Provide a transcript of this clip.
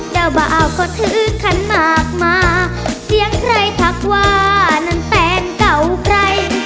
เด้อเบาขอถือขันมากมาเสียงใครถักว่านั้นแปลงเก่าใกล้